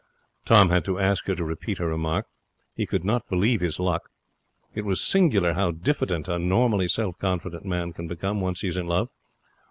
Tom had to ask her to repeat her remark. He could not believe his luck. It is singular how diffident a normally self confident man can become, once he is in love.